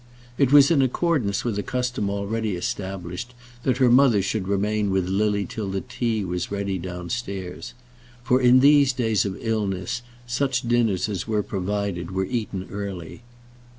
It was in accordance with a custom already established that her mother should remain with Lily till the tea was ready downstairs; for in these days of illness such dinners as were provided were eaten early.